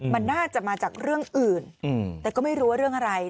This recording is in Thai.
มันน่าจะมาจากเรื่องอื่นแต่ก็ไม่รู้ว่าเรื่องอะไร